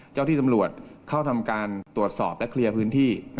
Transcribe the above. เจ้าที่ตำรวจเข้าทำการตรวจสอบและเคลียร์พื้นที่